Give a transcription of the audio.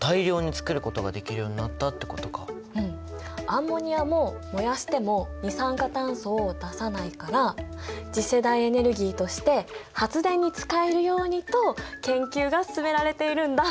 アンモニアも燃やしても二酸化炭素を出さないから次世代エネルギーとして発電に使えるようにと研究が進められているんだ。